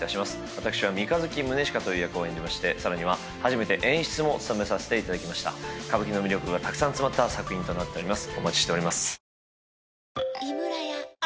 私は三日月宗近という役を演じましてさらには初めて演出も務めさせていただきました歌舞伎の魅力がたくさん詰まった作品となっております